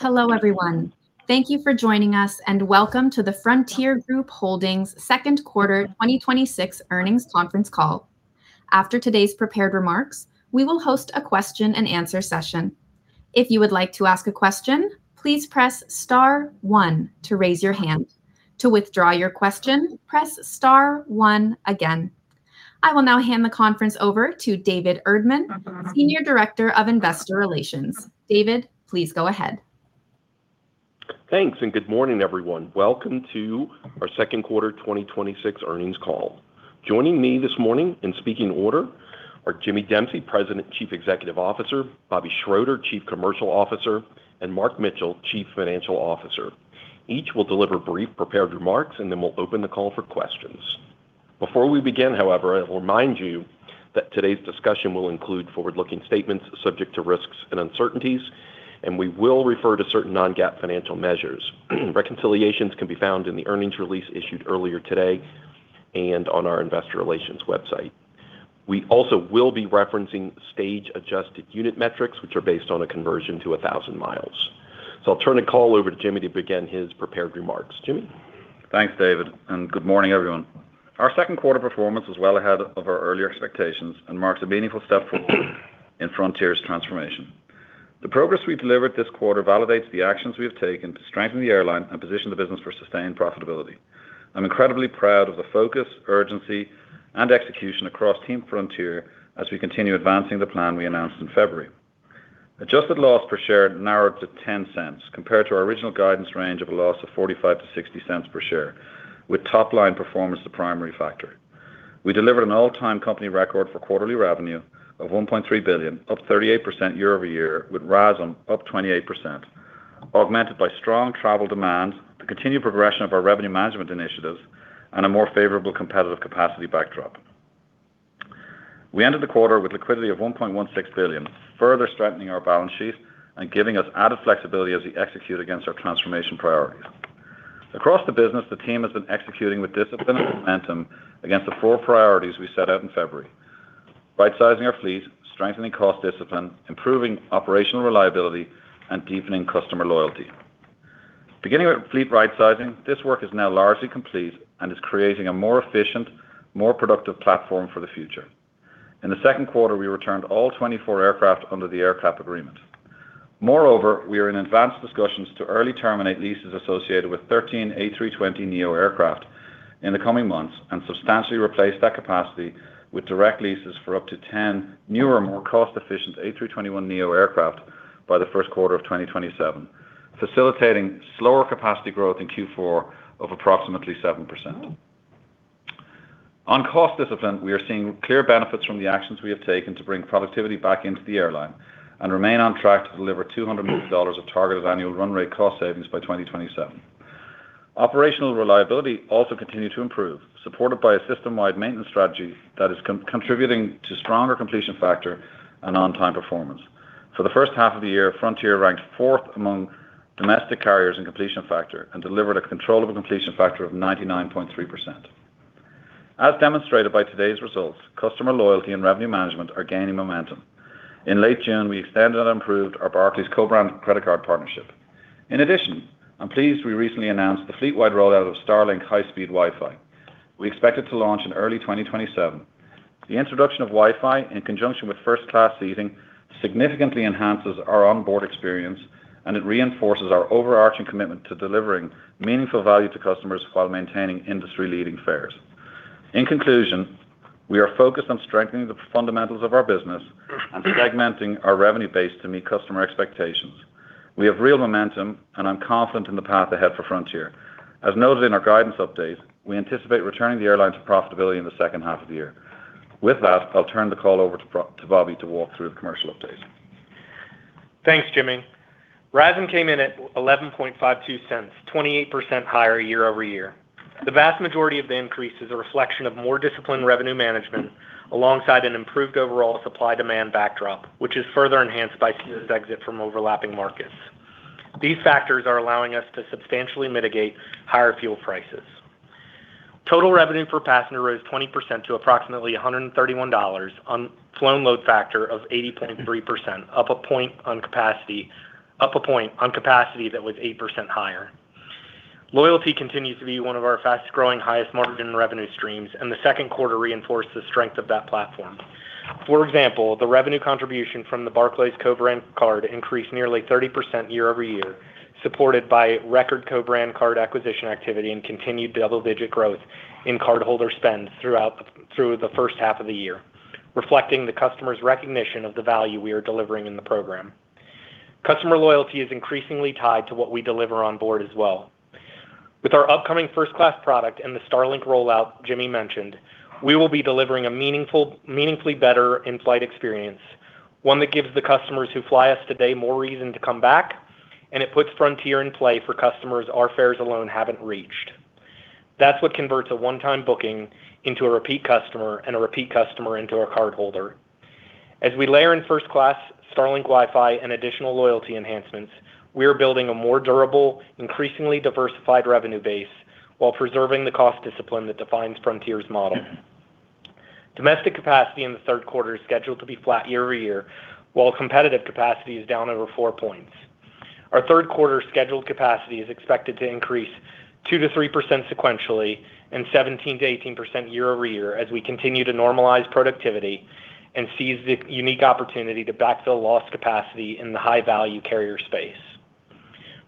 Hello, everyone. Thank you for joining us, and welcome to the Frontier Group Holdings second quarter 2026 earnings conference call. After today's prepared remarks, we will host a question-and-answer session. If you would like to ask a question, please press star one to raise your hand. To withdraw your question, press star one again. I will now hand the conference over to David Erdman, Senior Director of Investor Relations. David, please go ahead. Thanks. Good morning, everyone. Welcome to our second quarter 2026 earnings call. Joining me this morning in speaking order are Jimmy Dempsey, President and Chief Executive Officer, Bobby Schroeter, Chief Commercial Officer, and Mark Mitchell, Chief Financial Officer. Each will deliver brief prepared remarks, and then we'll open the call for questions. Before we begin, however, I will remind you that today's discussion will include forward-looking statements subject to risks and uncertainties, and we will refer to certain non-GAAP financial measures. Reconciliations can be found in the earnings release issued earlier today and on our investor relations website. We also will be referencing stage-adjusted unit metrics, which are based on a conversion to 1,000 miles. I'll turn the call over to Jimmy to begin his prepared remarks. Jimmy? Thanks, David. Good morning, everyone. Our second quarter performance was well ahead of our earlier expectations and marks a meaningful step forward in Frontier's transformation. The progress we've delivered this quarter validates the actions we have taken to strengthen the airline and position the business for sustained profitability. I'm incredibly proud of the focus, urgency, and execution across Team Frontier as we continue advancing the plan we announced in February. Adjusted loss per share narrowed to $0.10 compared to our original guidance range of a loss of $0.45-$0.60 per share, with top-line performance the primary factor. We delivered an all-time company record for quarterly revenue of $1.3 billion, up 38% year-over-year, with RASM up 28%, augmented by strong travel demand, the continued progression of our revenue management initiatives, and a more favorable competitive capacity backdrop. We ended the quarter with liquidity of $1.16 billion, further strengthening our balance sheet and giving us added flexibility as we execute against our transformation priorities. Across the business, the team has been executing with discipline and momentum against the four priorities we set out in February: rightsizing our fleet, strengthening cost discipline, improving operational reliability, and deepening customer loyalty. Beginning with fleet rightsizing, this work is now largely complete and is creating a more efficient, more productive platform for the future. In the second quarter, we returned all 24 aircraft under the AerCap agreement. Moreover, we are in advanced discussions to early terminate leases associated with 13 A320neo aircraft in the coming months and substantially replace that capacity with direct leases for up to 10 newer and more cost-efficient A321neo aircraft by the first quarter of 2027, facilitating slower capacity growth in Q4 of approximately 7%. On cost discipline, we are seeing clear benefits from the actions we have taken to bring productivity back into the airline and remain on track to deliver $200 million of targeted annual run rate cost savings by 2027. Operational reliability also continued to improve, supported by a system-wide maintenance strategy that is contributing to stronger completion factor and on-time performance. For the first half of the year, Frontier ranked fourth among domestic carriers in completion factor and delivered a controllable completion factor of 99.3%. As demonstrated by today's results, customer loyalty and revenue management are gaining momentum. In late June, we extended and improved our Barclays co-brand credit card partnership. I'm pleased we recently announced the fleet-wide rollout of Starlink high-speed Wi-Fi. We expect it to launch in early 2027. The introduction of Wi-Fi, in conjunction with first-class seating, significantly enhances our onboard experience and it reinforces our overarching commitment to delivering meaningful value to customers while maintaining industry-leading fares. In conclusion, we are focused on strengthening the fundamentals of our business and segmenting our revenue base to meet customer expectations. We have real momentum, and I'm confident in the path ahead for Frontier. As noted in our guidance update, we anticipate returning the airline to profitability in the second half of the year. With that, I'll turn the call over to Bobby to walk through the commercial update. Thanks, Jimmy. RASM came in at $0.1152, 28% higher year-over-year. The vast majority of the increase is a reflection of more disciplined revenue management alongside an improved overall supply-demand backdrop, which is further enhanced by Spirit's exit from overlapping markets. These factors are allowing us to substantially mitigate higher fuel prices. Total revenue per passenger rose 20% to approximately $131 on flown load factor of 80.3%, up a point on capacity that was 8% higher. Loyalty continues to be one of our fastest-growing, highest margin revenue streams, and the second quarter reinforced the strength of that platform. For example, the revenue contribution from the Barclays co-brand card increased nearly 30% year-over-year, supported by record co-brand card acquisition activity and continued double-digit growth in cardholder spends through the first half of the year, reflecting the customer's recognition of the value we are delivering in the program. Customer loyalty is increasingly tied to what we deliver on board as well. With our upcoming first-class product and the Starlink rollout Jimmy mentioned, we will be delivering a meaningfully better in-flight experience, one that gives the customers who fly us today more reason to come back, and it puts Frontier in play for customers our fares alone haven't reached. That's what converts a one-time booking into a repeat customer and a repeat customer into a cardholder. As we layer in first class, Starlink Wi-Fi, and additional loyalty enhancements, we are building a more durable, increasingly diversified revenue base while preserving the cost discipline that defines Frontier's model. Domestic capacity in the third quarter is scheduled to be flat year-over-year, while competitive capacity is down over four points. Our third quarter scheduled capacity is expected to increase 2%-3% sequentially and 17%-18% year-over-year as we continue to normalize productivity and seize the unique opportunity to backfill lost capacity in the high-value carrier space.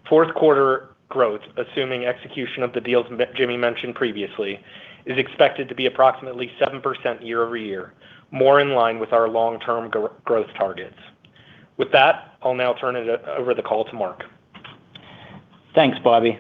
Fourth quarter growth, assuming execution of the deals that Jimmy mentioned previously, is expected to be approximately 7% year-over-year, more in line with our long-term growth targets. With that, I'll now turn it over the call to Mark. Thanks, Bobby.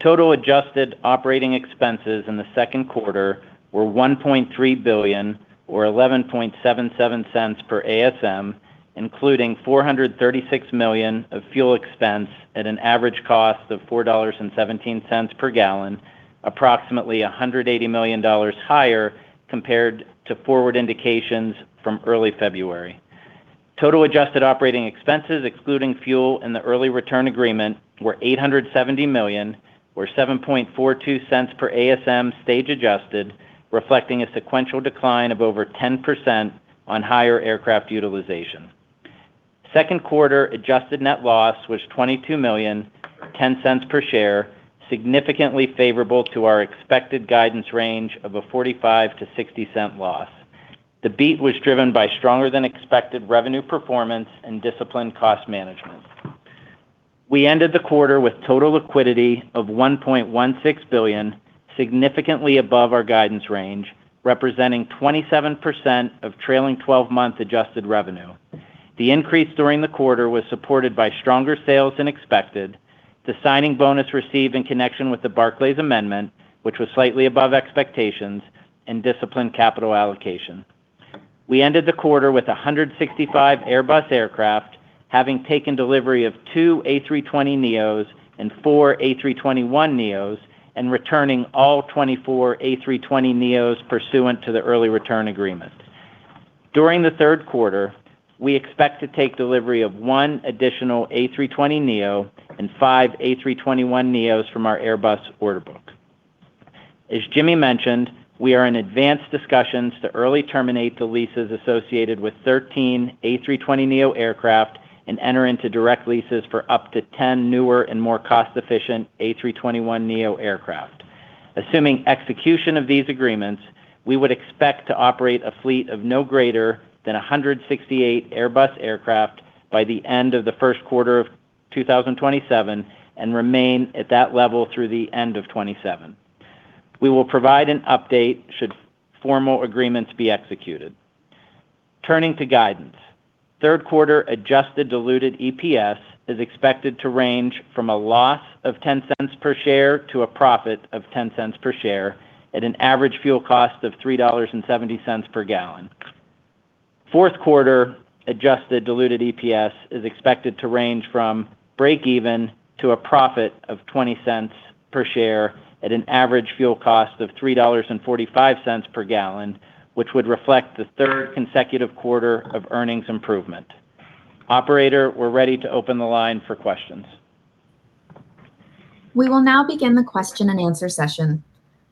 Total adjusted operating expenses in the second quarter were $1.3 billion or $0.1177 per ASM, including $436 million of fuel expense at an average cost of $4.17 per gallon, approximately $180 million higher compared to forward indications from early February. Total adjusted operating expenses, excluding fuel and the early return agreement, were $870 million or $0.0742 per ASM stage adjusted, reflecting a sequential decline of over 10% on higher aircraft utilization. Second quarter adjusted net loss was $22 million, $0.10 per share, significantly favorable to our expected guidance range of a $0.45-$0.60 loss. The beat was driven by stronger than expected revenue performance and disciplined cost management. We ended the quarter with total liquidity of $1.16 billion, significantly above our guidance range, representing 27% of trailing 12-month adjusted revenue. The increase during the quarter was supported by stronger sales than expected, the signing bonus received in connection with the Barclays amendment, which was slightly above expectations, and disciplined capital allocation. We ended the quarter with 165 Airbus aircraft, having taken delivery of two A320neos and four A321neos, and returning all 24 A320neos pursuant to the early return agreement. During the third quarter, we expect to take delivery of one additional A320neo and five A321neos from our Airbus order book. As Jimmy mentioned, we are in advanced discussions to early terminate the leases associated with 13 A320neo aircraft and enter into direct leases for up to 10 newer and more cost-efficient A321neo aircraft. Assuming execution of these agreements, we would expect to operate a fleet of no greater than 168 Airbus aircraft by the end of the first quarter of 2027 and remain at that level through the end of 2027. We will provide an update should formal agreements be executed. Turning to guidance. Third quarter adjusted diluted EPS is expected to range from a loss of $0.10 per share to a profit of $0.10 per share at an average fuel cost of $3.70 per gallon. Fourth quarter adjusted diluted EPS is expected to range from breakeven to a profit of $0.20 per share at an average fuel cost of $3.45 per gallon, which would reflect the third consecutive quarter of earnings improvement. Operator, we're ready to open the line for questions. We will now begin the question-and-answer session.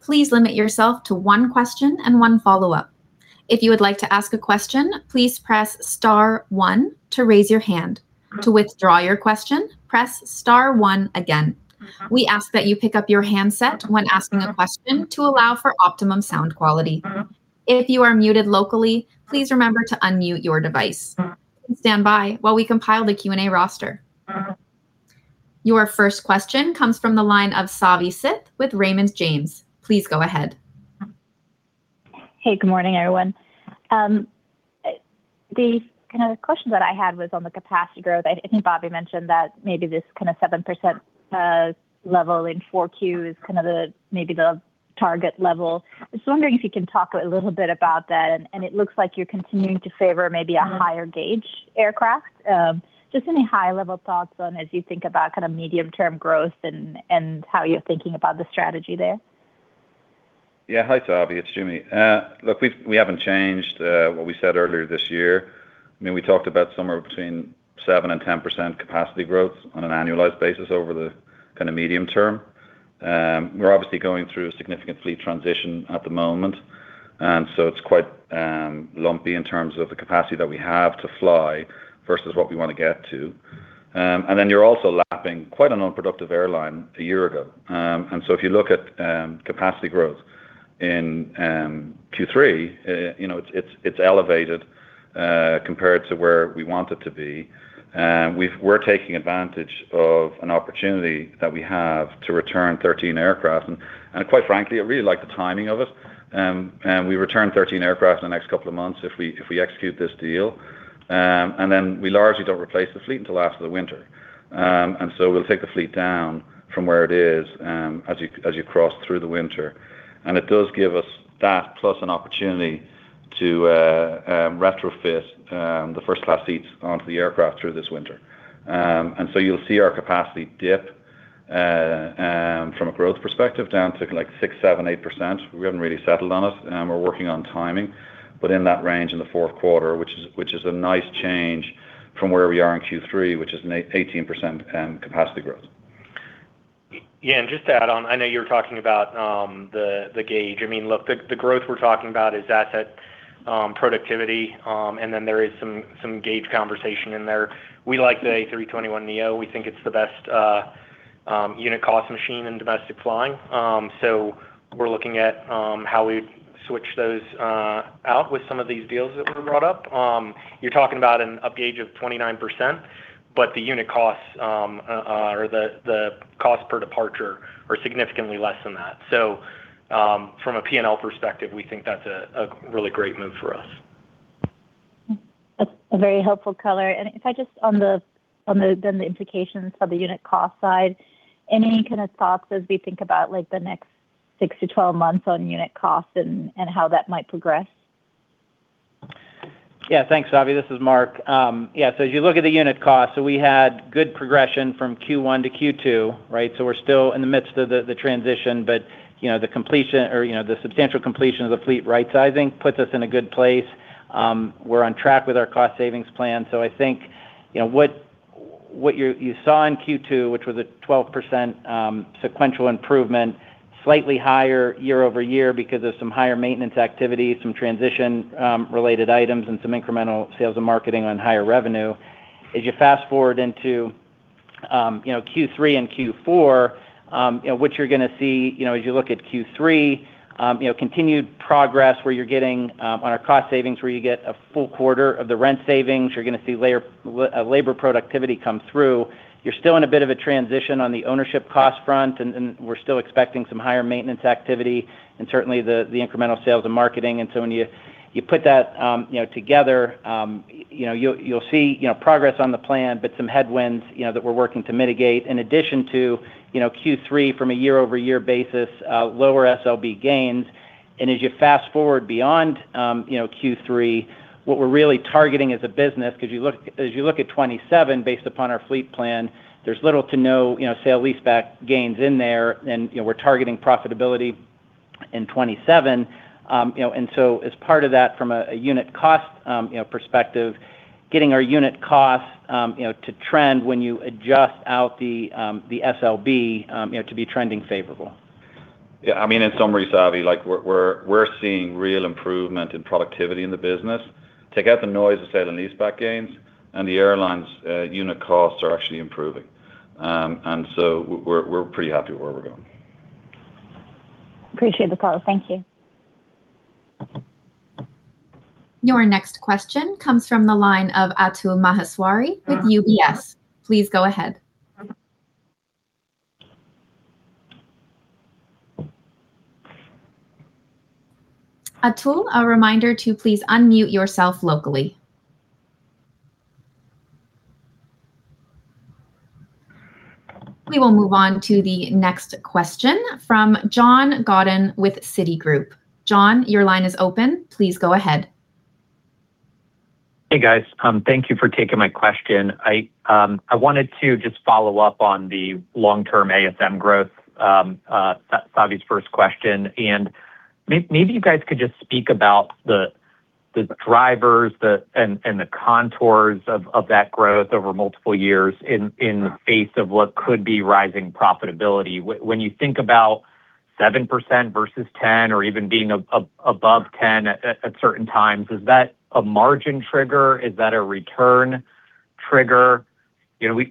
Please limit yourself to one question and one follow-up. If you would like to ask a question, please press star one to raise your hand. To withdraw your question, press star one again. We ask that you pick up your handset when asking a question to allow for optimum sound quality. If you are muted locally, please remember to unmute your device. Stand by while we compile the Q&A roster. Your first question comes from the line of Savanthi Syth with Raymond James. Please go ahead. Hey, good morning, everyone. The question that I had was on the capacity growth. I think Bobby mentioned that maybe this kind of 7% level in 4Q is maybe the target level. I was wondering if you can talk a little bit about that, and it looks like you're continuing to favor maybe a higher-gauge aircraft. Just any high-level thoughts on as you think about medium-term growth and how you're thinking about the strategy there? Yeah. Hi, Savi. It's Jimmy. Look, we haven't changed what we said earlier this year. We talked about somewhere between 7% and 10% capacity growth on an annualized basis over the medium term. It's quite lumpy in terms of the capacity that we have to fly versus what we want to get to. You're also lapping quite an unproductive airline a year ago. If you look at capacity growth in Q3, it's elevated compared to where we want it to be. We're taking advantage of an opportunity that we have to return 13 aircraft. Quite frankly, I really like the timing of it. We return 13 aircraft in the next couple of months if we execute this deal. We largely don't replace the fleet until after the winter. We'll take the fleet down from where it is as you cross through the winter. It does give us that, plus an opportunity to retrofit the first-class seats onto the aircraft through this winter. You'll see our capacity dip from a growth perspective down to like 6%, 7%, 8%. We haven't really settled on it. We're working on timing. In that range in the fourth quarter, which is a nice change from where we are in Q3, which is an 18% capacity growth. Yeah, just to add on, I know you were talking about the gauge. Look, the growth we're talking about is asset productivity, and then there is some gauge conversation in there. We like the A321neo. We think it's the best unit cost machine in domestic flying. We're looking at how we switch those out with some of these deals that were brought up. You're talking about an upgauge of 29%, but the unit costs, or the cost per departure are significantly less than that. From a P&L perspective, we think that's a really great move for us. That's a very helpful color. If I just, on the implications of the unit cost side, any kind of thoughts as we think about the next 6-12 months on unit cost and how that might progress? Thanks, Savi. This is Mark. As you look at the unit cost, we had good progression from Q1 to Q2. We're still in the midst of the transition, but the substantial completion of the fleet rightsizing puts us in a good place. We're on track with our cost savings plan. I think what you saw in Q2, which was a 12% sequential improvement, slightly higher year-over-year because of some higher maintenance activity, some transition-related items, and some incremental sales and marketing on higher revenue. As you fast-forward into Q3 and Q4, what you're going to see, as you look at Q3, continued progress where you're getting on our cost savings, where you get a full quarter of the rent savings. You're going to see labor productivity come through. You're still in a bit of a transition on the ownership cost front, and we're still expecting some higher maintenance activity and certainly the incremental sales and marketing. When you put that together, you'll see progress on the plan, but some headwinds that we're working to mitigate. In addition to Q3 from a year-over-year basis, lower SLB gains. As you fast-forward beyond Q3, what we're really targeting as a business, because as you look at 2027, based upon our fleet plan, there's little to no sale-leaseback gains in there, and we're targeting profitability in 2027. As part of that, from a unit cost perspective, getting our unit costs to trend when you adjust out the SLB, to be trending favorable. Yeah, in summary, Savi, we're seeing real improvement in productivity in the business. Take out the noise of sale-leaseback gains, the airline's unit costs are actually improving. So we're pretty happy where we're going. Appreciate the color. Thank you. Your next question comes from the line of Atul Maheswari with UBS. Please go ahead. Atul, a reminder to please unmute yourself locally. We will move on to the next question from John Godyn with Citigroup. John, your line is open. Please go ahead. Hey, guys. Thank you for taking my question. I wanted to just follow up on the long-term ASM growth, Savi's first question, maybe you guys could just speak about the drivers and the contours of that growth over multiple years in the face of what could be rising profitability. When you think about 7% versus 10% or even being above 10% at certain times, is that a margin trigger? Is that a return trigger?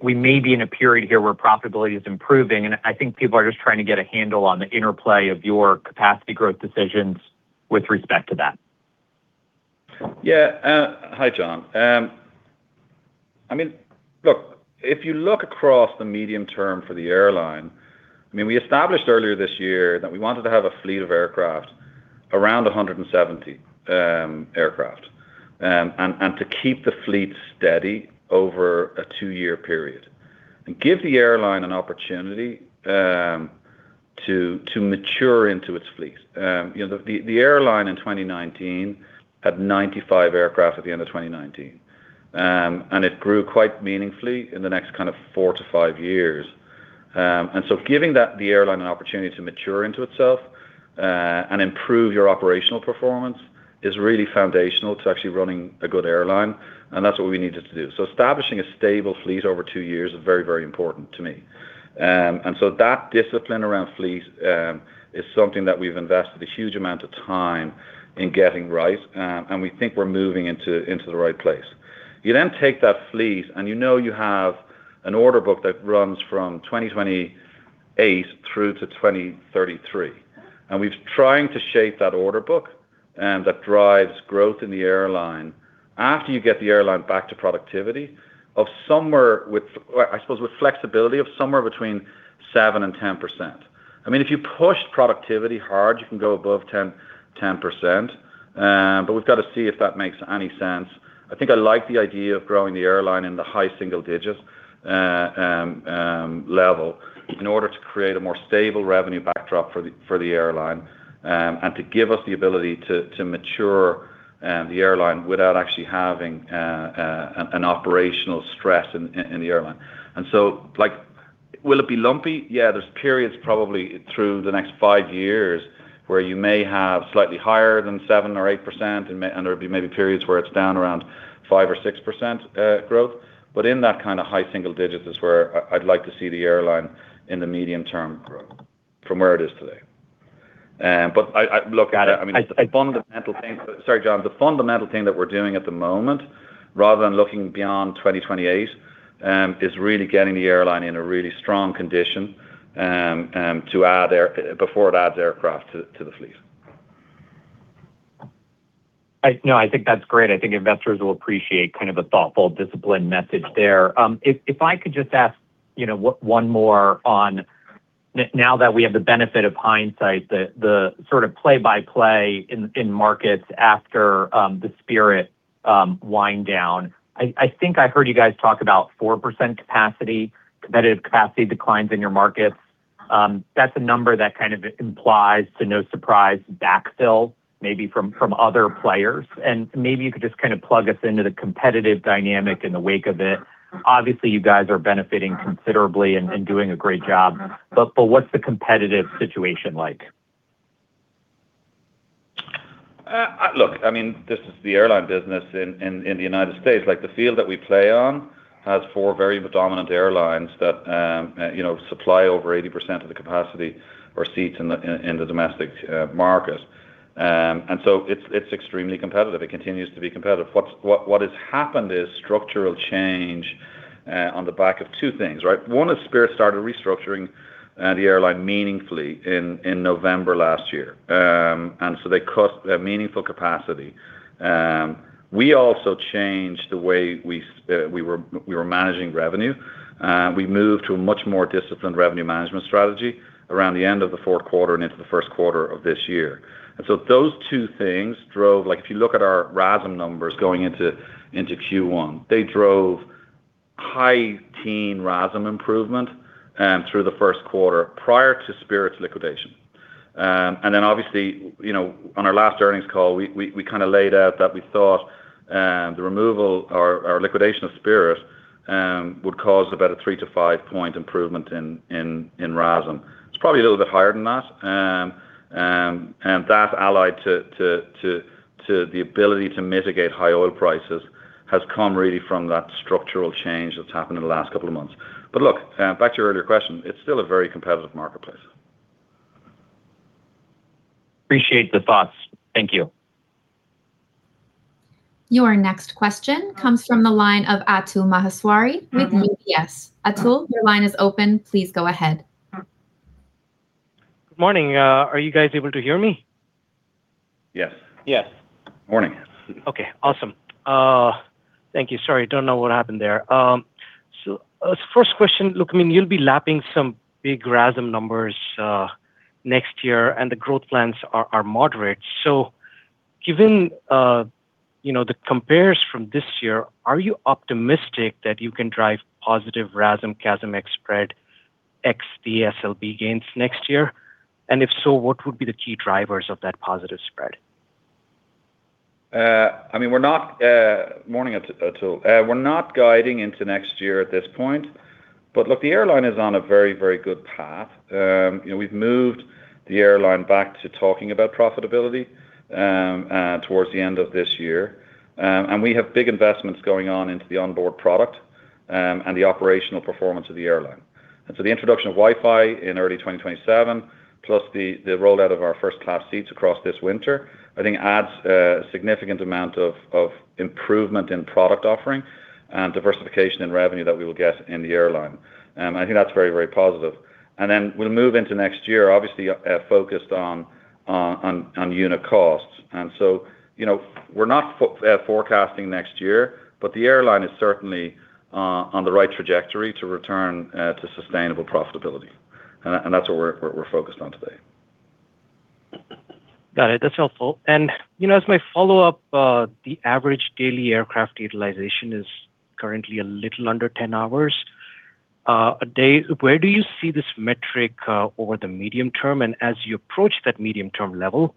We may be in a period here where profitability is improving, I think people are just trying to get a handle on the interplay of your capacity growth decisions with respect to that. Yeah. Hi, John. Look, if you look across the medium term for the airline, we established earlier this year that we wanted to have a fleet of aircraft around 170 aircraft, and to keep the fleet steady over a two-year period and give the airline an opportunity to mature into its fleet. The airline in 2019 had 95 aircraft at the end of 2019. It grew quite meaningfully in the next four to five years. Giving the airline an opportunity to mature into itself, and improve your operational performance is really foundational to actually running a good airline, and that's what we needed to do. Establishing a stable fleet over two years is very, very important to me. That discipline around fleet is something that we've invested a huge amount of time in getting right, and we think we're moving into the right place. You then take that fleet, and you know you have an order book that runs from 2028 through to 2033. We're trying to shape that order book that drives growth in the airline after you get the airline back to productivity of somewhere with, I suppose, with flexibility of somewhere between 7% and 10%. If you push productivity hard, you can go above 10%, but we've got to see if that makes any sense. I think I like the idea of growing the airline in the high single digits level in order to create a more stable revenue backdrop for the airline, and to give us the ability to mature the airline without actually having an operational stress in the airline. Will it be lumpy? Yeah, there's periods probably through the next five years where you may have slightly higher than 7% or 8%, and there'll be maybe periods where it's down around 5% or 6% growth. In that kind of high single digits is where I'd like to see the airline in the medium term grow from where it is today. Look, John, the fundamental thing that we're doing at the moment, rather than looking beyond 2028, is really getting the airline in a really strong condition before it adds aircraft to the fleet. No, I think that's great. I think investors will appreciate kind of a thoughtful, disciplined message there. If I could just ask one more on, now that we have the benefit of hindsight, the sort of play-by-play in markets after the Spirit wind down. I think I heard you guys talk about 4% competitive capacity declines in your markets. That's a number that kind of implies, to no surprise, backfill maybe from other players. Maybe you could just kind of plug us into the competitive dynamic in the wake of it. Obviously, you guys are benefiting considerably and doing a great job. What's the competitive situation like? Look, this is the airline business in the U.S. The field that we play on has four very predominant airlines that supply over 80% of the capacity or seats in the domestic market. It's extremely competitive. It continues to be competitive. What has happened is structural change on the back of two things, right? One is Spirit started restructuring the airline meaningfully in November last year. They cut a meaningful capacity. We also changed the way we were managing revenue. We moved to a much more disciplined revenue management strategy around the end of the fourth quarter and into the first quarter of this year. Those two things drove, like if you look at our RASM numbers going into Q1, they drove high teen RASM improvement through the first quarter prior to Spirit's liquidation. Obviously, on our last earnings call, we kind of laid out that we thought the removal or liquidation of Spirit would cause about a three- to five-point improvement in RASM. It's probably a little bit higher than that. Look, back to your earlier question, it's still a very competitive marketplace. Appreciate the thoughts. Thank you. Your next question comes from the line of Atul Maheswari with UBS. Atul, your line is open. Please go ahead. Good morning. Are you guys able to hear me? Yes. Yes. Morning. Okay, awesome. Thank you. Sorry, don't know what happened there. First question. Look, you'll be lapping some big RASM numbers next year, and the growth plans are moderate. Given the compares from this year, are you optimistic that you can drive positive RASM, CASM, ex spread, ex SLB gains next year? If so, what would be the key drivers of that positive spread? Morning, Atul. We're not guiding into next year at this point. Look, the airline is on a very good path. We've moved the airline back to talking about profitability towards the end of this year. We have big investments going on into the onboard product, and the operational performance of the airline. The introduction of Wi-Fi in early 2027, plus the rollout of our first-class seats across this winter, I think adds a significant amount of improvement in product offering and diversification in revenue that we will get in the airline. I think that's very positive. We'll move into next year, obviously focused on unit costs. We're not forecasting next year, but the airline is certainly on the right trajectory to return to sustainable profitability. That's what we're focused on today. Got it. That's helpful. As my follow-up, the average daily aircraft utilization is currently a little under 10 hours a day. Where do you see this metric over the medium term? As you approach that medium term level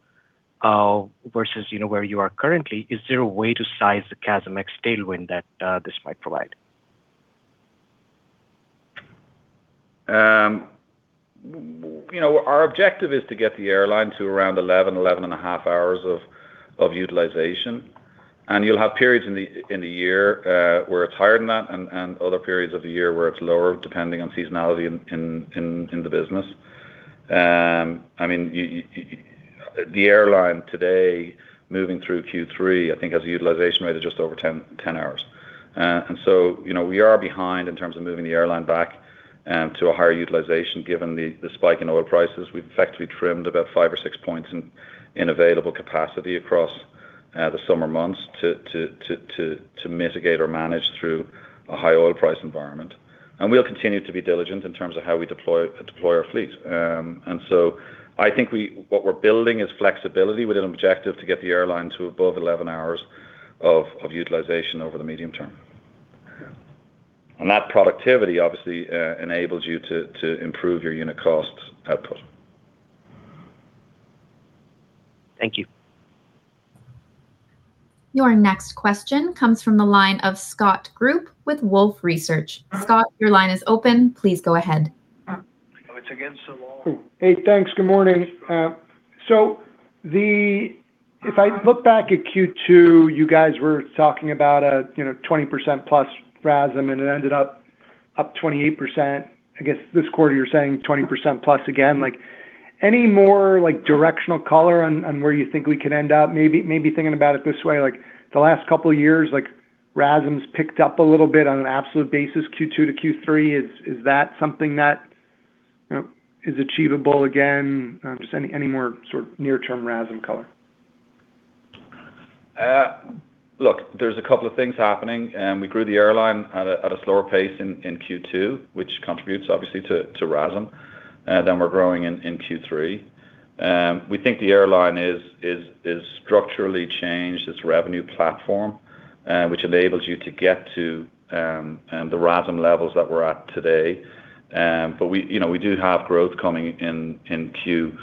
versus where you are currently, is there a way to size the CASM ex tailwind that this might provide? Our objective is to get the airline to around 11.5 hours of utilization. You'll have periods in the year where it's higher than that and other periods of the year where it's lower, depending on seasonality in the business. The airline today, moving through Q3, I think, has a utilization rate of just over 10 hours. We are behind in terms of moving the airline back to a higher utilization given the spike in oil prices. We've effectively trimmed about five or six points in available capacity across the summer months to mitigate or manage through a high oil price environment. We'll continue to be diligent in terms of how we deploy our fleet. I think what we're building is flexibility with an objective to get the airline to above 11 hours of utilization over the medium term. That productivity obviously enables you to improve your unit cost output. Thank you. Your next question comes from the line of Scott Group with Wolfe Research. Scott, your line is open. Please go ahead. Hey, thanks. Good morning. If I look back at Q2, you guys were talking about a 20%+ RASM, and it ended up 28%. I guess this quarter you're saying 20%+ again. Any more directional color on where you think we could end up? Maybe thinking about it this way, the last couple of years, RASM's picked up a little bit on an absolute basis, Q2 to Q3. Is that something that is achievable again? Just any more sort of near term RASM color? Look, there's a couple of things happening. We grew the airline at a slower pace in Q2, which contributes obviously to RASM. We're growing in Q3. We think the airline is structurally changed, its revenue platform, which enables you to get to the RASM levels that we're at today. We do have growth coming in Q3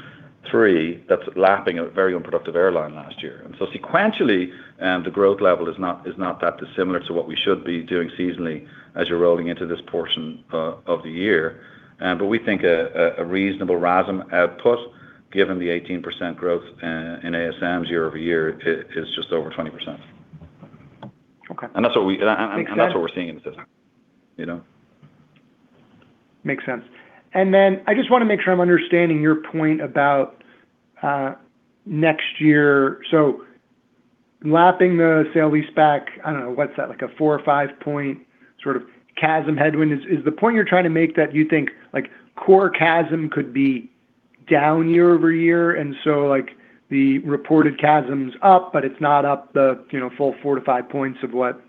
that's lapping a very unproductive airline last year. Sequentially, the growth level is not that dissimilar to what we should be doing seasonally as you're rolling into this portion of the year. We think a reasonable RASM output, given the 18% growth in ASMs year-over-year, is just over 20%. Okay. That's what we're seeing in the system. Makes sense. I just want to make sure I'm understanding your point about next year. Lapping the sale-leaseback, I don't know, what's that? Like a four or five point sort of CASM headwind. Is the point you're trying to make that you think core CASM could be down year-over-year, and the reported CASM's up, but it's not up the full 4 to 5 points of what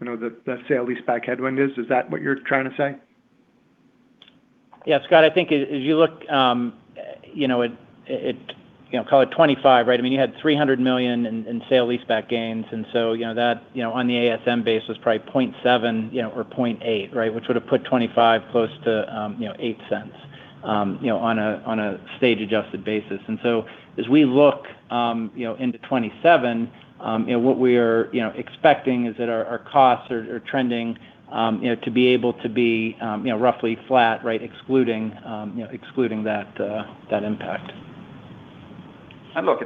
the sale-leaseback headwind is? Is that what you're trying to say? Scott, I think as you look at call it 2025, you had $300 million in sale-leaseback gains, so that on the ASM base was probably $0.70 or $0.80, which would have put 2025 close to $0.08 on a stage adjusted basis. As we look into 2027, what we are expecting is that our costs are trending to be able to be roughly flat, excluding that impact. Look,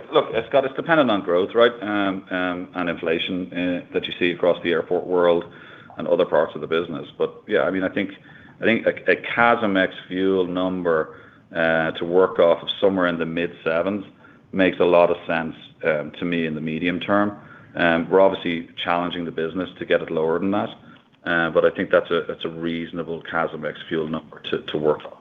Scott, it's dependent on growth and inflation that you see across the airport world and other parts of the business. I think a CASM ex-fuel number to work off of somewhere in the mid-$0.07s makes a lot of sense to me in the medium term. We're obviously challenging the business to get it lower than that. I think that's a reasonable CASM ex-fuel number to work off.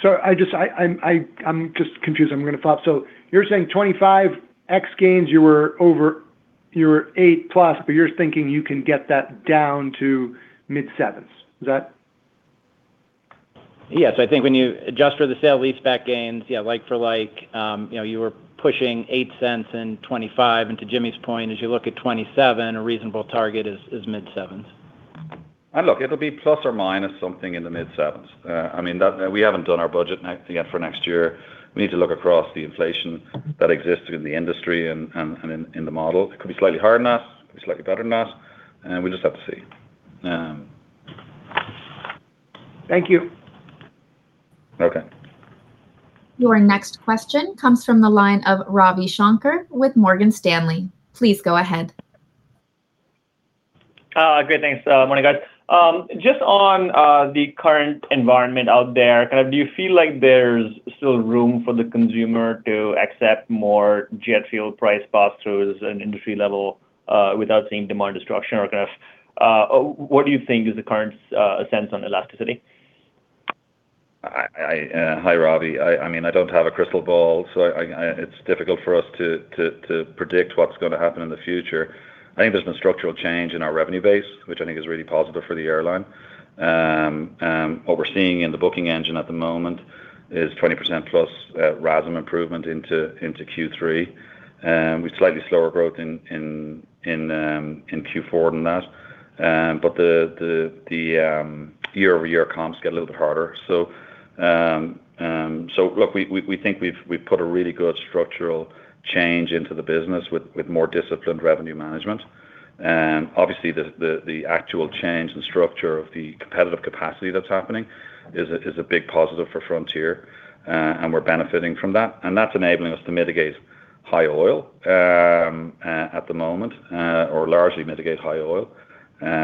Sorry, I'm just confused. You're saying 2025 ex-gains, you were $0.08+, you're thinking you can get that down to mid-$0.07s. Is that Yes. I think when you adjust for the sale-leaseback gains, like for like, you were pushing $0.08 in 2025. To Jimmy's point, as you look at 2027, a reasonable target is mid-$0.07s. Look, it'll be ± something in the mid-$0.07s. We haven't done our budget yet for next year. We need to look across the inflation that exists in the industry and in the model. It could be slightly higher than that, could be slightly better than that. We'll just have to see. Thank you. Okay. Your next question comes from the line of Ravi Shanker with Morgan Stanley. Please go ahead. Great, thanks. Morning, guys. Just on the current environment out there, do you feel like there's still room for the consumer to accept more jet fuel price pass-throughs at an industry level without seeing demand destruction? What do you think is the current sense on elasticity? Hi, Ravi. I don't have a crystal ball, it's difficult for us to predict what's going to happen in the future. I think there's been structural change in our revenue base, which I think is really positive for the airline. What we're seeing in the booking engine at the moment is 20%+ RASM improvement into Q3. With slightly slower growth in Q4 than that. The year-over-year comps get a little bit harder. Look, we think we've put a really good structural change into the business with more disciplined revenue management. Obviously, the actual change in structure of the competitive capacity that's happening is a big positive for Frontier, and we're benefiting from that. That's enabling us to mitigate high oil at the moment, or largely mitigate high oil.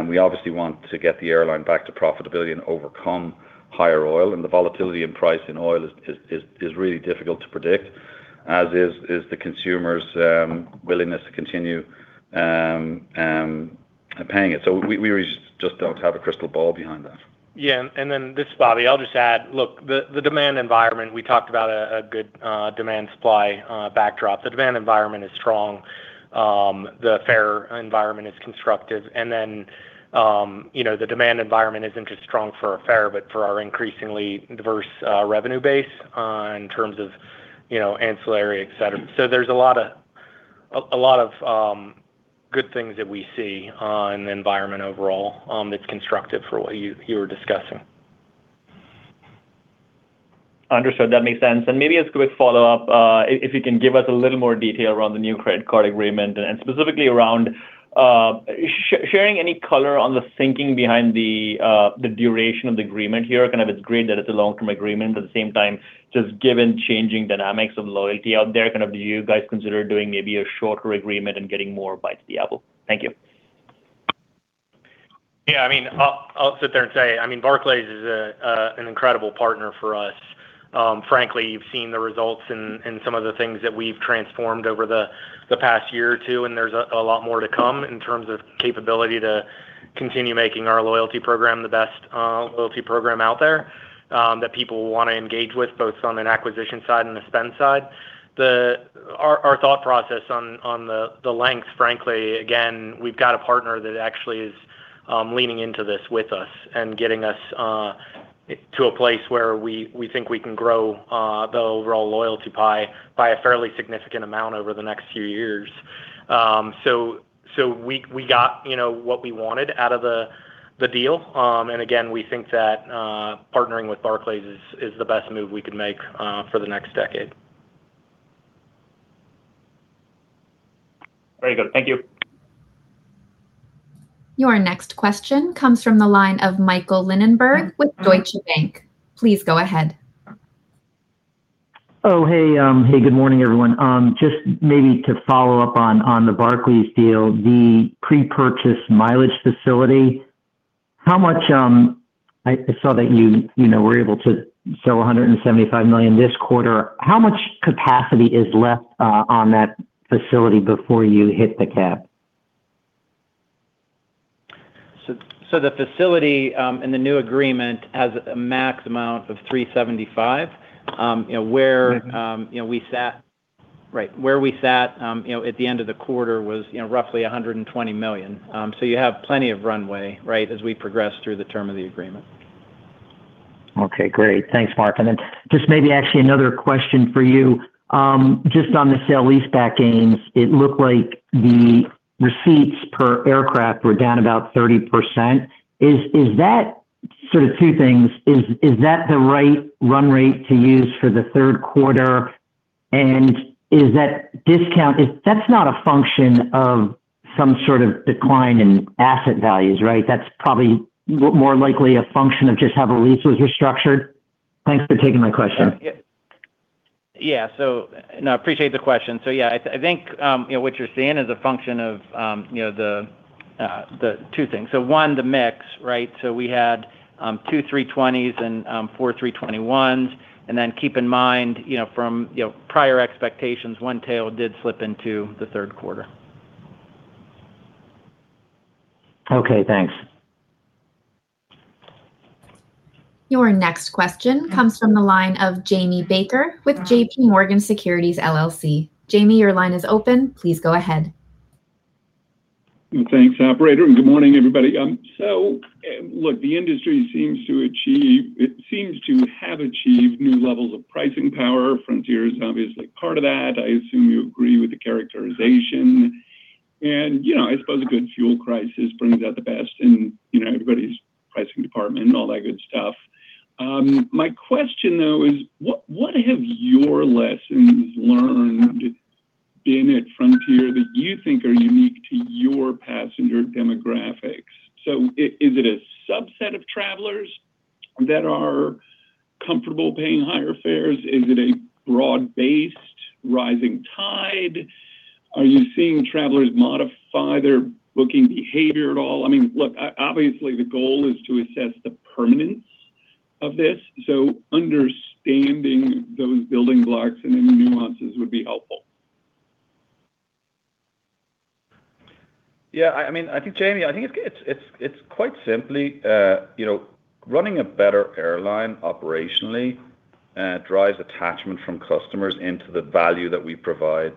We obviously want to get the airline back to profitability and overcome higher oil. The volatility in price in oil is really difficult to predict, as is the consumer's willingness to continue paying it. We really just don't have a crystal ball behind that. This is Bobby. I'll just add, look, the demand environment, we talked about a good demand supply backdrop. The demand environment is strong. The fare environment is constructive. The demand environment isn't just strong for a fare, but for our increasingly diverse revenue base in terms of ancillary, et cetera. There's a lot of good things that we see in the environment overall that's constructive for what you were discussing. Understood. That makes sense. Maybe a quick follow-up, if you can give us a little more detail around the new credit card agreement, and specifically around sharing any color on the thinking behind the duration of the agreement here. It's great that it's a long-term agreement, at the same time, just given changing dynamics of loyalty out there, do you guys consider doing maybe a shorter agreement and getting more bites of the apple? Thank you. Yeah. I'll sit there and say, Barclays is an incredible partner for us. Frankly, you've seen the results and some of the things that we've transformed over the past year or two, and there's a lot more to come in terms of capability to continue making our loyalty program the best loyalty program out there that people want to engage with, both on an acquisition side and a spend side. Our thought process on the length, frankly, again, we've got a partner that actually is leaning into this with us and getting us to a place where we think we can grow the overall loyalty pie by a fairly significant amount over the next few years. We got what we wanted out of the deal. Again, we think that partnering with Barclays is the best move we could make for the next decade. Very good. Thank you. Your next question comes from the line of Michael Linenberg with Deutsche Bank. Please go ahead. Oh, hey. Good morning, everyone. Just maybe to follow up on the Barclays deal, the pre-purchase mileage facility, I saw that you were able to sell $175 million this quarter. How much capacity is left on that facility before you hit the cap? The facility, in the new agreement, has a max amount of $375 million. Where we sat at the end of the quarter was roughly $120 million. You have plenty of runway as we progress through the term of the agreement. Okay, great. Thanks, Mark. Just maybe actually another question for you. Just on the sale-leaseback gains, it looked like the receipts per aircraft were down about 30%. Sort of two things, is that the right run rate to use for the third quarter? That's not a function of some sort of decline in asset values, right? That's probably more likely a function of just how the lease was restructured? Thanks for taking my question. Yeah. No, I appreciate the question. Yeah, I think what you're seeing is a function of two things. One, the mix. We had two A320s and four A321s. Keep in mind, from prior expectations, one tail did slip into the third quarter. Okay, thanks. Your next question comes from the line of Jamie Baker with JPMorgan Securities LLC. Jamie, your line is open. Please go ahead. Thanks, operator, good morning, everybody. Look, the industry seems to have achieved new levels of pricing power. Frontier is obviously part of that. I assume you agree with the characterization, I suppose a good fuel crisis brings out the best in everybody's pricing department and all that good stuff. My question, though, is what have your lessons learned been at Frontier that you think are unique to your passenger demographics? Is it a subset of travelers that are comfortable paying higher fares? Is it a broad-based rising tide? Are you seeing travelers modify their booking behavior at all? Look, obviously the goal is to assess the permanence of this, understanding those building blocks and any nuances would be helpful. Yeah. Jamie, I think it's quite simply, running a better airline operationally drives attachment from customers into the value that we provide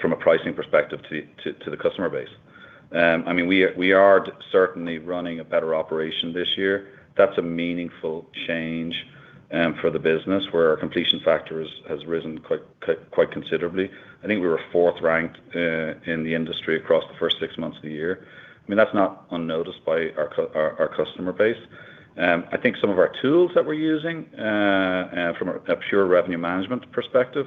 from a pricing perspective to the customer base. We are certainly running a better operation this year. That's a meaningful change for the business, where our completion factor has risen quite considerably. I think we were fourth ranked in the industry across the first six months of the year. That's not unnoticed by our customer base. I think some of our tools that we're using from a pure revenue management perspective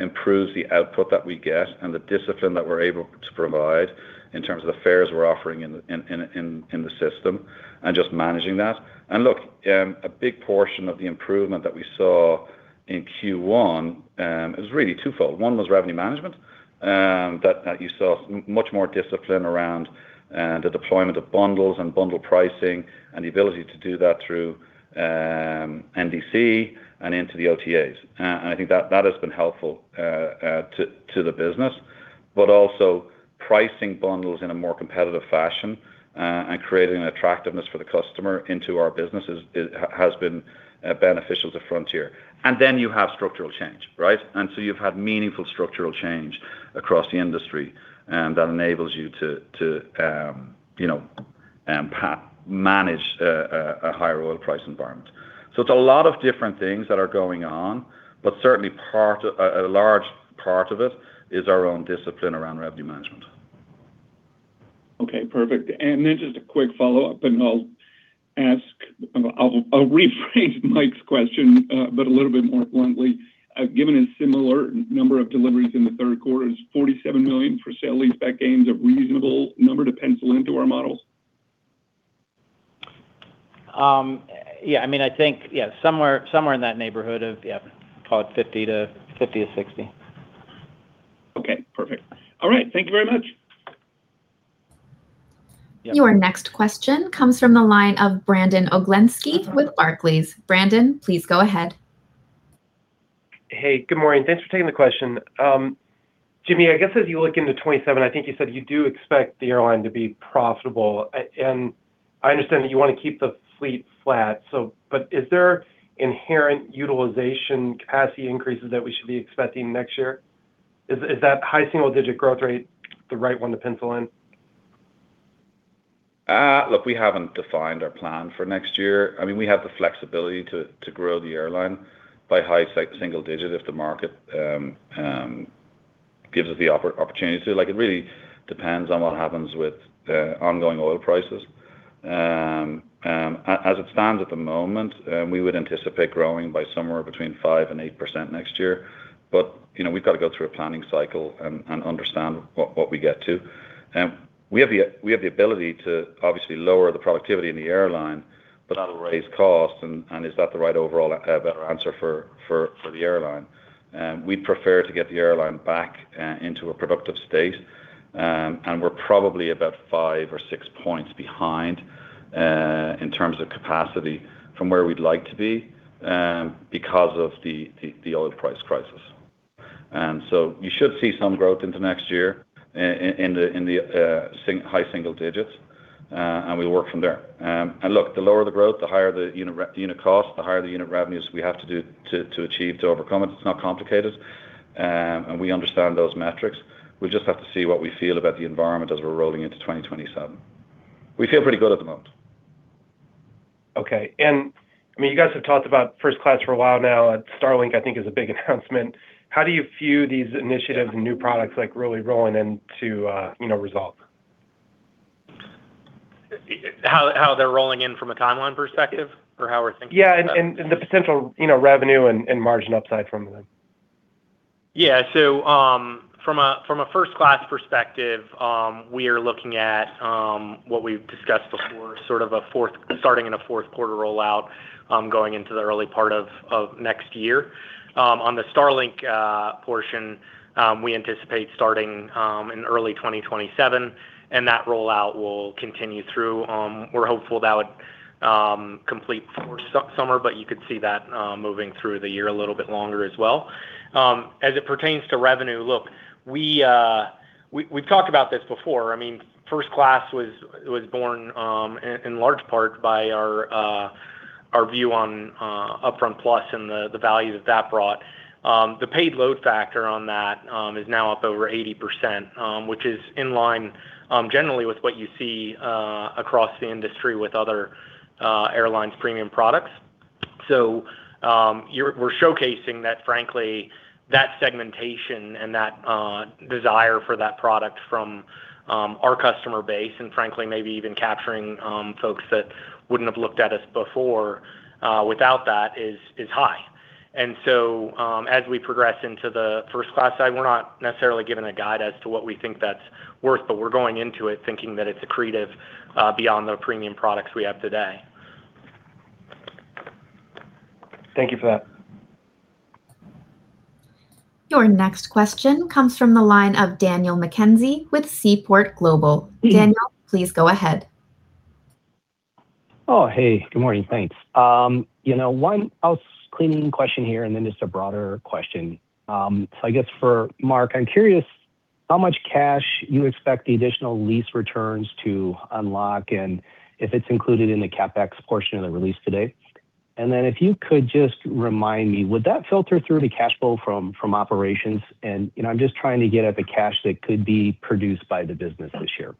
improves the output that we get and the discipline that we're able to provide in terms of the fares we're offering in the system and just managing that. Look, a big portion of the improvement that we saw in Q1 is really twofold. One was revenue management, that you saw much more discipline around the deployment of bundles and bundle pricing and the ability to do that through NDC and into the OTAs. I think that has been helpful to the business. Also pricing bundles in a more competitive fashion and creating attractiveness for the customer into our business has been beneficial to Frontier. You have structural change. You've had meaningful structural change across the industry that enables you to manage a higher oil price environment. It's a lot of different things that are going on, but certainly a large part of it is our own discipline around revenue management. Okay, perfect. Just a quick follow-up, and I'll rephrase Mike's question, but a little bit more bluntly. Given a similar number of deliveries in the third quarter, is $47 million for sale-leaseback gains a reasonable number to pencil into our model? Yeah. I think somewhere in that neighborhood of, call it $50 million-$60 million. Okay, perfect. All right. Thank you very much. Your next question comes from the line of Brandon Oglenski with Barclays. Brandon, please go ahead. Hey, good morning. Thanks for taking the question. Jimmy, I guess as you look into 2027, I think you said you do expect the airline to be profitable, and I understand that you want to keep the fleet flat. Is there inherent utilization capacity increases that we should be expecting next year? Is that high single-digit growth rate the right one to pencil in? Look, we haven't defined our plan for next year. We have the flexibility to grow the airline by high single digit if the market gives us the opportunity to. It really depends on what happens with the ongoing oil prices. As it stands at the moment, we would anticipate growing by somewhere between 5%-8% next year. We've got to go through a planning cycle and understand what we get to. We have the ability to obviously lower the productivity in the airline, but that will raise costs, and is that the right overall better answer for the airline? We'd prefer to get the airline back into a productive state, and we're probably about five or six points behind in terms of capacity from where we'd like to be because of the oil price crisis. You should see some growth into next year in the high single digits, and we'll work from there. Look, the lower the growth, the higher the unit cost, the higher the unit revenues we have to achieve to overcome it. It's not complicated. We understand those metrics. We just have to see what we feel about the environment as we're rolling into 2027. We feel pretty good at the moment. Okay. You guys have talked about first class for a while now. Starlink, I think, is a big announcement. How do you view these initiatives and new products really rolling into result? How they're rolling in from a timeline perspective or how we're thinking- Yeah, the potential revenue and margin upside from them. Yeah. From a first-class perspective, we are looking at what we've discussed before, starting in a fourth-quarter rollout, going into the early part of next year. On the Starlink portion, we anticipate starting in early 2027, and that rollout will continue through. We're hopeful that would complete before summer, but you could see that moving through the year a little bit longer as well. As it pertains to revenue, look, we've talked about this before. First class was born in large part by our view on UpFront Plus and the value that that brought. The paid load factor on that is now up over 80%, which is in line generally with what you see across the industry with other airlines' premium products. We're showcasing that, frankly, that segmentation and that desire for that product from our customer base and frankly, maybe even capturing folks that wouldn't have looked at us before without that is high. As we progress into the first class side, we're not necessarily giving a guide as to what we think that's worth, but we're going into it thinking that it's accretive beyond the premium products we have today. Thank you for that. Your next question comes from the line of Daniel McKenzie with Seaport Global. Daniel, please go ahead. Oh, hey. Good morning. Thanks. One housecleaning question here, then just a broader question. I guess for Mark, I'm curious how much cash you expect the additional lease returns to unlock, and if it's included in the CapEx portion of the release today. Then if you could just remind me, would that filter through to cash flow from operations? I'm just trying to get at the cash that could be produced by the business this year.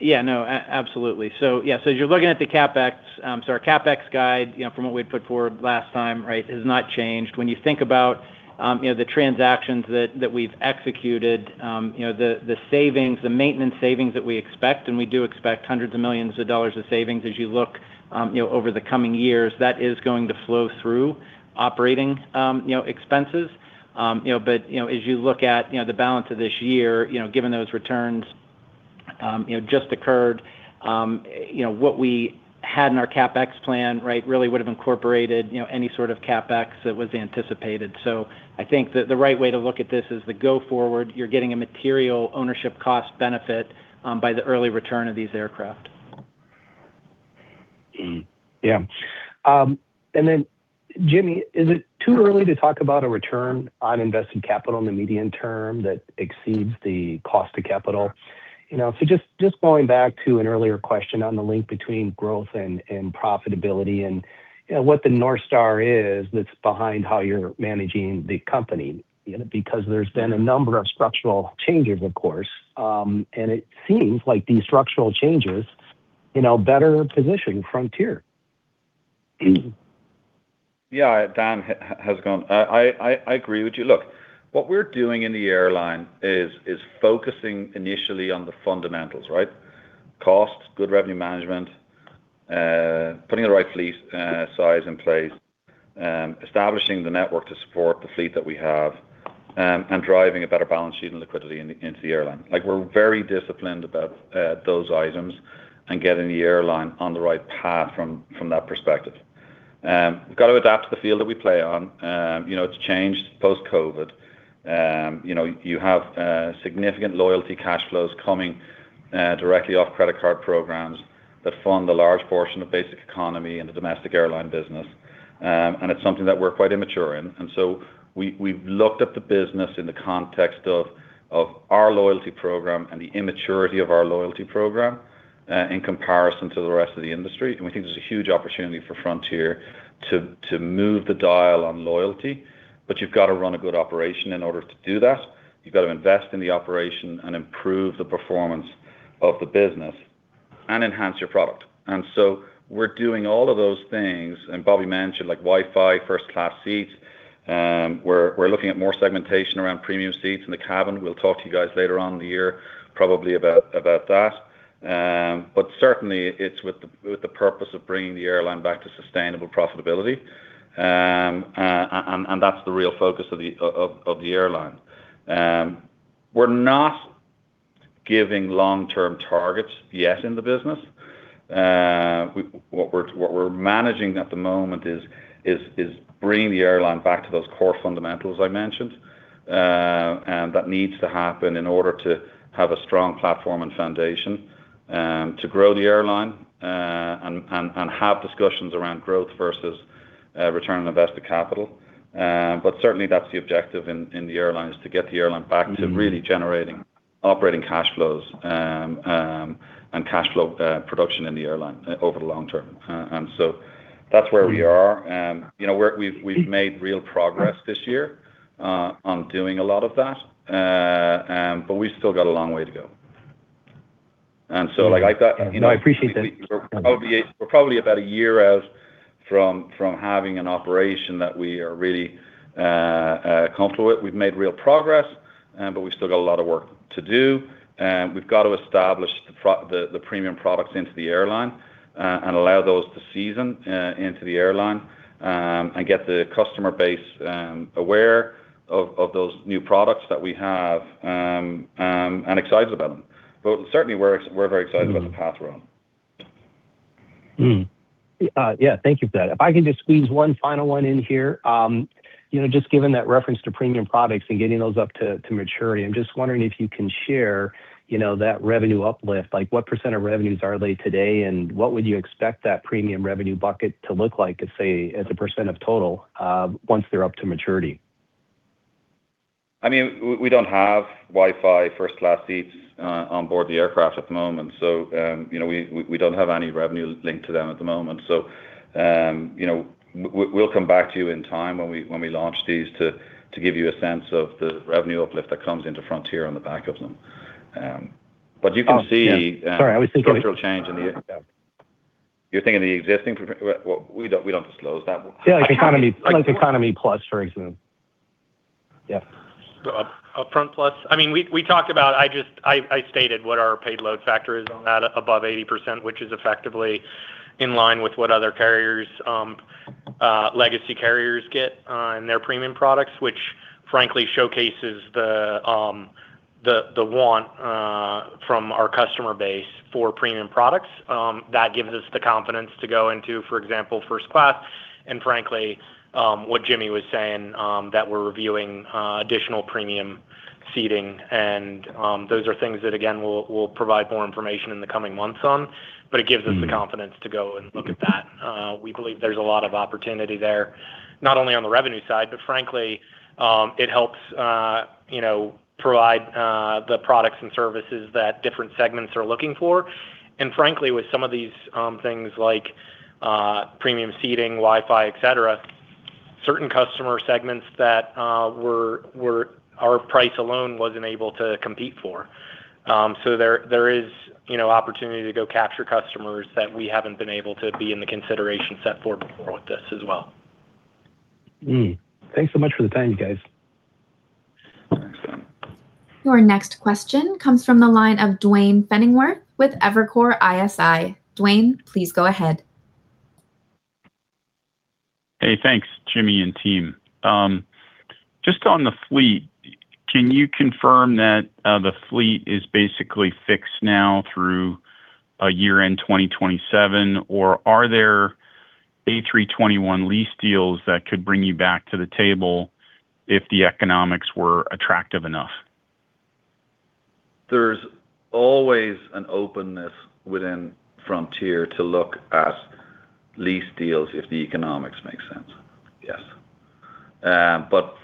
Yeah. No, absolutely. As you're looking at the CapEx, our CapEx guide from what we had put forward last time has not changed. When you think about the transactions that we've executed, the maintenance savings that we expect, and we do expect hundreds of millions of dollars of savings as you look over the coming years, that is going to flow through operating expenses. As you look at the balance of this year, given those returns just occurred, what we had in our CapEx plan really would have incorporated any sort of CapEx that was anticipated. I think that the right way to look at this is the go forward. You're getting a material ownership cost benefit by the early return of these aircraft. Jimmy, is it too early to talk about a return on invested capital in the medium term that exceeds the cost of capital? Just going back to an earlier question on the link between growth and profitability and what the North Star is that's behind how you're managing the company. There's been a number of structural changes, of course, and it seems like these structural changes better position Frontier. Dan, I agree with you. Look, what we're doing in the airline is focusing initially on the fundamentals, right? Cost, good revenue management, putting the right fleet size in place, establishing the network to support the fleet that we have, and driving a better balance sheet and liquidity into the airline. We're very disciplined about those items and getting the airline on the right path from that perspective. We've got to adapt to the field that we play on. It's changed post-COVID. You have significant loyalty cash flows coming directly off credit card programs that fund a large portion of basic economy in the domestic airline business, and it's something that we're quite immature in. We've looked at the business in the context of our loyalty program and the immaturity of our loyalty program in comparison to the rest of the industry, and we think there's a huge opportunity for Frontier to move the dial on loyalty. You've got to run a good operation in order to do that. You've got to invest in the operation and improve the performance of the business and enhance your product. We're doing all of those things, and Bobby mentioned like Wi-Fi, first-class seats. We're looking at more segmentation around premium seats in the cabin. We'll talk to you guys later on in the year probably about that. Certainly, it's with the purpose of bringing the airline back to sustainable profitability, and that's the real focus of the airline. We're not giving long-term targets yet in the business. What we're managing at the moment is bringing the airline back to those core fundamentals I mentioned. That needs to happen in order to have a strong platform and foundation to grow the airline and have discussions around growth versus return on invested capital. Certainly that's the objective in the airline, is to get the airline back to really generating operating cash flows and cash flow production in the airline over the long term. That's where we are. We've made real progress this year on doing a lot of that, but we've still got a long way to go. Like I said. No, I appreciate the. We're probably about a year out from having an operation that we are really comfortable with. We've made real progress, but we've still got a lot of work to do. We've got to establish the premium products into the airline and allow those to season into the airline, and get the customer base aware of those new products that we have and excited about them. Certainly we're very excited about the path we're on. Yeah. Thank you for that. If I can just squeeze one final one in here. Just given that reference to premium products and getting those up to maturity, I'm just wondering if you can share that revenue uplift. What percent of revenues are they today, and what would you expect that premium revenue bucket to look like at, say, as a percent of total, once they're up to maturity? We don't have Wi-Fi, first-class seats on board the aircraft at the moment. We don't have any revenue linked to them at the moment. We'll come back to you in time when we launch these to give you a sense of the revenue uplift that comes into Frontier on the back of them. You can see. Oh, yeah. Sorry, I was thinking. structural change in the. You're thinking the existing. We don't disclose that. Yeah, like Economy Plus, for example. Yeah. UpFront Plus. I stated what our paid load factor is on that above 80%, which is effectively in line with what other legacy carriers get on their premium products, which frankly showcases the want from our customer base for premium products. That gives us the confidence to go into, for example, first class, and frankly, what Jimmy was saying, that we're reviewing additional premium seating and those are things that, again, we'll provide more information in the coming months on, but it gives us the confidence to go and look at that. We believe there's a lot of opportunity there, not only on the revenue side, but frankly, it helps provide the products and services that different segments are looking for. Frankly, with some of these things like premium seating, Wi-Fi, et cetera, certain customer segments that our price alone wasn't able to compete for. There is opportunity to go capture customers that we haven't been able to be in the consideration set for before with this as well. Thanks so much for the time, you guys. Thanks, Dan. Your next question comes from the line of Duane Pfennigwerth with Evercore ISI. Duane, please go ahead. Hey, thanks, Jimmy and Team. Just on the fleet, can you confirm that the fleet is basically fixed now through year-end 2027? Are there A321 lease deals that could bring you back to the table if the economics were attractive enough? There's always an openness within Frontier to look at lease deals if the economics make sense. Yes.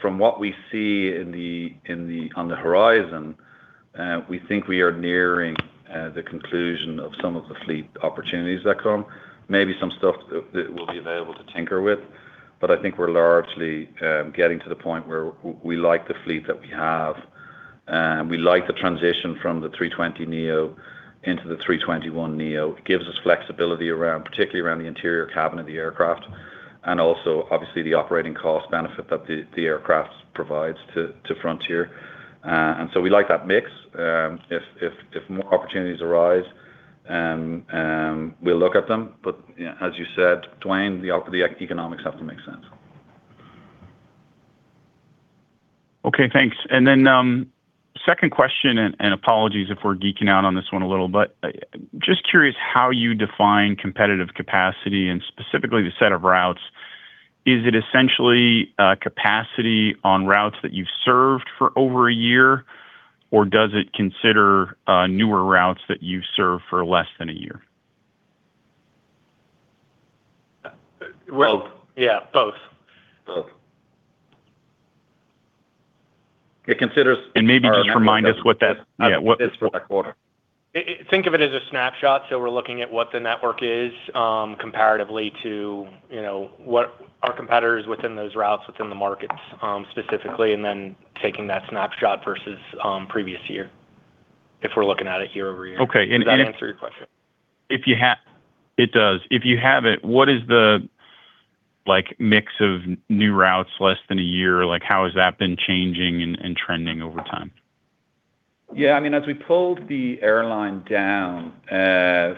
From what we see on the horizon, we think we are nearing the conclusion of some of the fleet opportunities that come. Maybe some stuff that will be available to tinker with, but I think we're largely getting to the point where we like the fleet that we have We like the transition from the A320neo into the A321neo. It gives us flexibility, particularly around the interior cabin of the aircraft and also obviously the operating cost benefit that the aircraft provides to Frontier. So we like that mix. If more opportunities arise, we'll look at them. As you said, Duane, the economics have to make sense. Okay, thanks. Second question, and apologies if we're geeking out on this one a little, but just curious how you define competitive capacity and specifically the set of routes. Is it essentially capacity on routes that you've served for over a year, or does it consider newer routes that you serve for less than a year? Both. Yeah, both. Both. Maybe just remind us what that is. Think of it as a snapshot. We're looking at what the network is comparatively to what our competitors within those routes, within the markets specifically, taking that snapshot versus previous year, if we're looking at it year-over-year. Okay. Does that answer your question? It does. If you have it, what is the mix of new routes less than a year? How has that been changing and trending over time? Yeah. As we pulled the airline down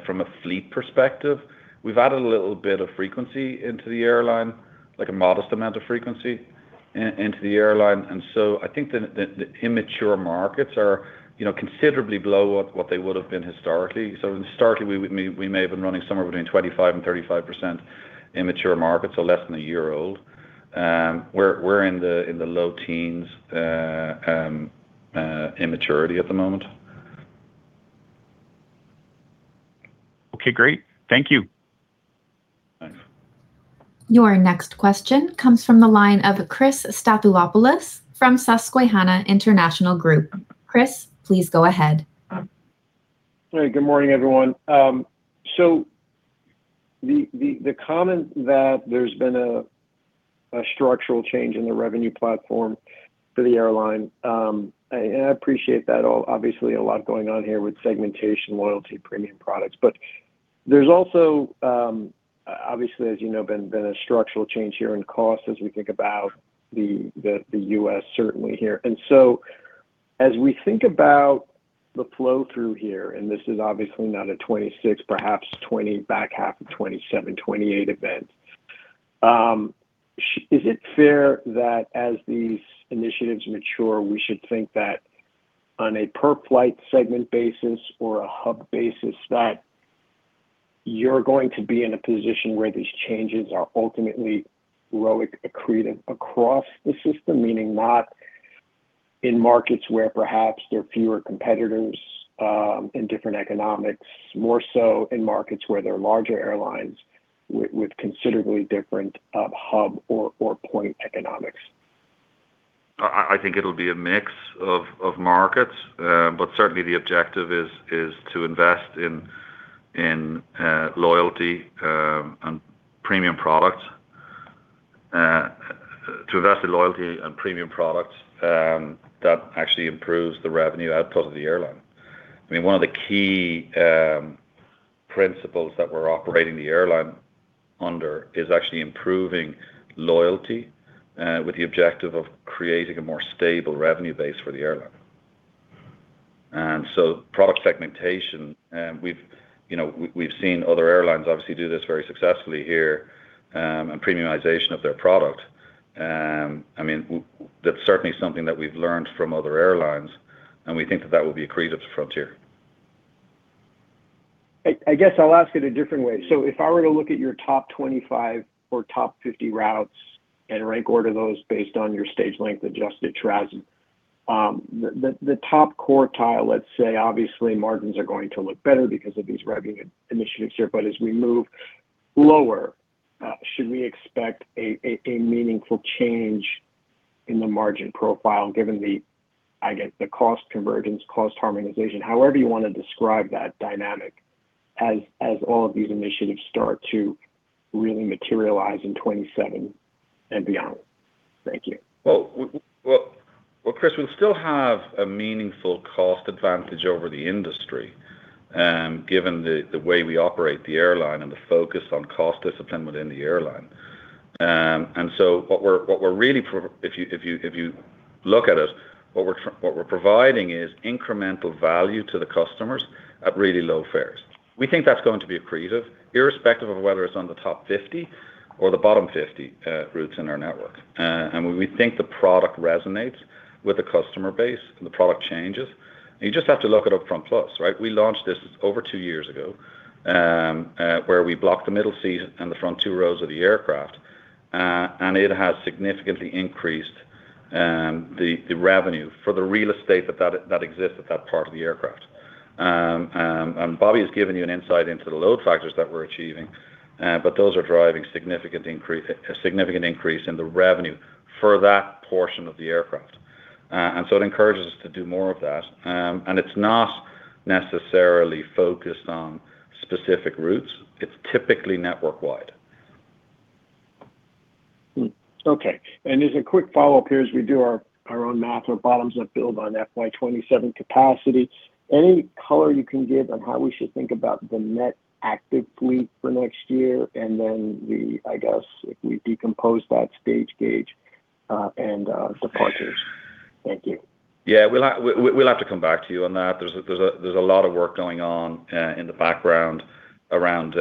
from a fleet perspective, we've added a little bit of frequency into the airline, like a modest amount of frequency into the airline. I think the immature markets are considerably below what they would've been historically. Historically, we may have been running somewhere between 25% and 35% immature markets, so less than a year old. We're in the low teens immaturity at the moment. Okay, great. Thank you. Thanks. Your next question comes from the line of Chris Stathoulopoulos from Susquehanna International Group. Chris, please go ahead. Good morning, everyone. The comment that there's been a structural change in the revenue platform for the airline, and I appreciate that. Obviously, a lot going on here with segmentation loyalty premium products. There's also, obviously, as you know, been a structural change here in cost as we think about the U.S. certainly here. As we think about the flow-through here, and this is obviously not a 2026, perhaps 2020, back half of 2027, 2028 event, is it fair that as these initiatives mature, we should think that on a per flight segment basis or a hub basis, that you're going to be in a position where these changes are ultimately accretive across the system, meaning not in markets where perhaps there are fewer competitors in different economics, more so in markets where there are larger airlines with considerably different hub or point economics? I think it'll be a mix of markets. Certainly the objective is to invest in loyalty and premium products. To invest in loyalty and premium products that actually improves the revenue output of the airline. One of the key principles that we're operating the airline under is actually improving loyalty with the objective of creating a more stable revenue base for the airline. Product segmentation, we've seen other airlines obviously do this very successfully here, and premiumization of their product. That's certainly something that we've learned from other airlines, and we think that that will be accretive to Frontier. I guess I'll ask it a different way. If I were to look at your top 25 or top 50 routes and rank order those based on your stage-length-adjusted TRASM, the top quartile, let's say, obviously margins are going to look better because of these revenue initiatives here, but as we move lower, should we expect a meaningful change in the margin profile given the, I guess, the cost convergence, cost harmonization, however you want to describe that dynamic as all of these initiatives start to really materialize in 2027 and beyond. Thank you. Well, Chris, we'll still have a meaningful cost advantage over the industry given the way we operate the airline and the focus on cost discipline within the airline. If you look at it, what we're providing is incremental value to the customers at really low fares. We think that's going to be accretive, irrespective of whether it's on the top 50 or the bottom 50 routes in our network. We think the product resonates with the customer base and the product changes, and you just have to look at UpFront Plus, right? We launched this over two years ago, where we blocked the middle seat and the front two rows of the aircraft, and it has significantly increased the revenue for the real estate that exists at that part of the aircraft. Bobby has given you an insight into the load factors that we're achieving, those are driving a significant increase in the revenue for that portion of the aircraft. It encourages us to do more of that. It's not necessarily focused on specific routes. It's typically network wide. Okay. As a quick follow-up here, as we do our own math, our bottoms-up build on FY 2027 capacity, any color you can give on how we should think about the net active fleet for next year? I guess if we decompose that stage gauge and departures. Thank you. Yeah. We'll have to come back to you on that. There's a lot of work going on in the background around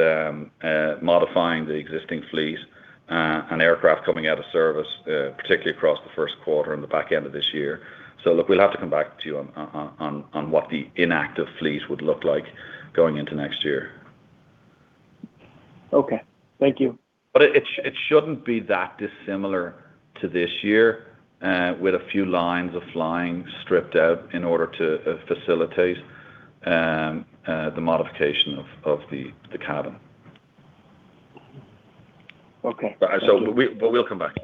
modifying the existing fleet and aircraft coming out of service, particularly across the first quarter and the back end of this year. Look, we'll have to come back to you on what the inactive fleet would look like going into next year. Okay. Thank you. It shouldn't be that dissimilar to this year, with a few lines of flying stripped out in order to facilitate the modification of the cabin. Okay. We'll come back.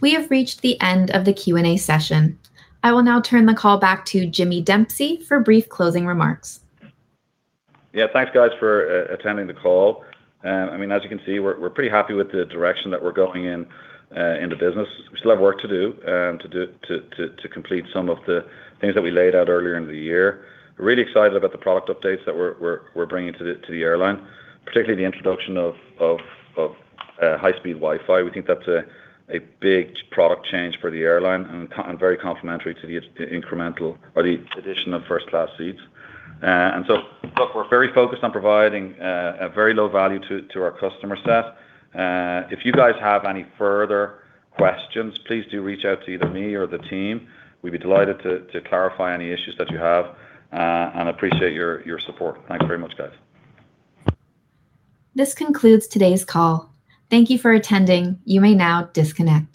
We have reached the end of the Q&A session. I will now turn the call back to Jimmy Dempsey for brief closing remarks. Yeah. Thanks, guys, for attending the call. As you can see, we're pretty happy with the direction that we're going in in the business. We still have work to do to complete some of the things that we laid out earlier in the year. We're really excited about the product updates that we're bringing to the airline, particularly the introduction of high-speed Wi-Fi. We think that's a big product change for the airline and very complementary to the incremental or the addition of first-class seats. Look, we're very focused on providing a very low value to our customer set. If you guys have any further questions, please do reach out to either me or the team. We'd be delighted to clarify any issues that you have, and appreciate your support. Thanks very much, guys. This concludes today's call. Thank you for attending. You may now disconnect.